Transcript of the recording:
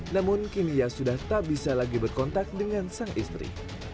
namun kini ia sudah tak bisa lagi berkontak dengan sang istri